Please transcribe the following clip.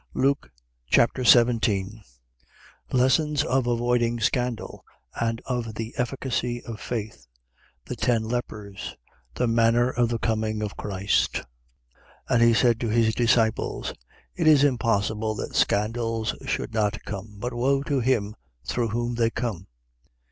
Luke Chapter 17 Lessons of avoiding scandal and of the efficacy of faith. The ten lepers. The manner of the coming of Christ. 17:1. And he said to his disciples: It is impossible that scandals should not come. But woe to him through whom they come!